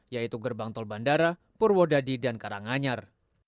yaitu gerbang tol bandara purwodadi dan karanganyar